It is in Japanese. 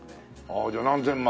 ああじゃあ何千万。